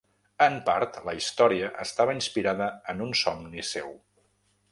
En part, la història estava inspirada en un somni seu.